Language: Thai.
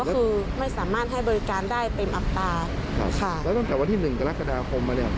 ก็คือไม่สามารถให้บริการได้เต็มอัตราครับค่ะแล้วตั้งแต่วันที่หนึ่งกรกฎาคมมาเนี้ย